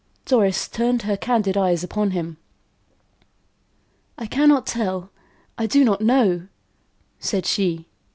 Doris turned her candid eyes upon him. "I cannot tell; I do not know," said she.